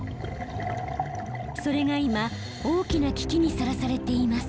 それが今大きな危機にさらされています。